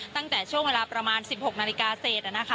ตั้งแต่ช่วงเวลาประมาณสิบหกนาฬิกาเศษ